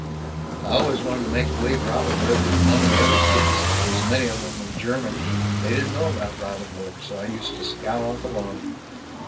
I always wanted to make b'lieve Robin Hood, but none of the other kids so many of them were German; they didn't know about Robin Hood; so I used to scout off alone."